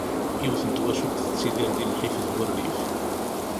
Yiwet n twacult tettidir di lḥif d wurrif.